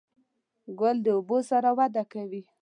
ګل د اوبو سره وده کوي.